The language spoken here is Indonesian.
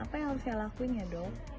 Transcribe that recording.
apa yang harus saya lakuin ya dong